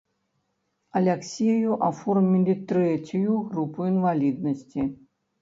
Аляксею аформілі трэцюю групу інваліднасці.